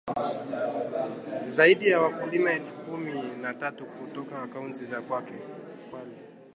Zaidi ya wakulima elfu kumi na tatu kutoka kaunti za Kwale